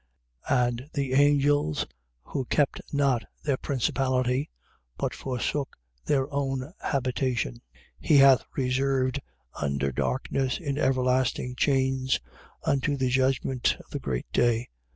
1:6. And the angels who kept not their principality but forsook their own habitation, he hath reserved under darkness in everlasting chains, unto the judgment of the great day.